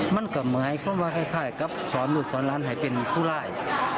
มันกลับมาให้คนวาคัยกับสอนลูกสอนหลานให้เป็นผู้ร่าย